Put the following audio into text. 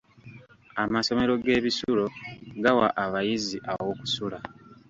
Amasomero g'ebisulo gawa abayizi aw'okusula.